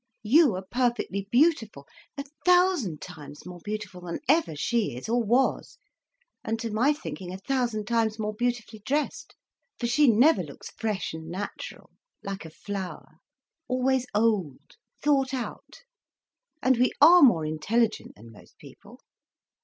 You are perfectly beautiful, a thousand times more beautiful than ever she is or was, and to my thinking, a thousand times more beautifully dressed, for she never looks fresh and natural, like a flower, always old, thought out; and we are more intelligent than most people."